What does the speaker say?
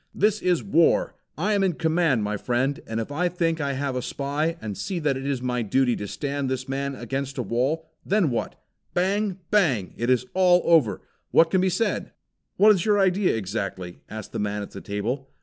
"This is war. I am in command, my friend, and if I think I have a spy, and see that it is my duty to stand this man up against a wall, then what? Bang! Bang! It is all over. What can be said?" "What is your idea exactly?" asked the man at the table.